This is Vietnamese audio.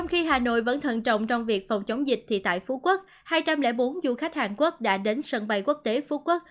khi hà nội vẫn thận trọng trong việc phòng chống dịch thì tại phú quốc hai trăm linh bốn du khách hàn quốc đã đến sân bay quốc tế phú quốc